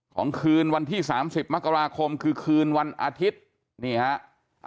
คืนวันที่๓๐มกราคมคือคืนวันอาทิตย์นี่ฮะ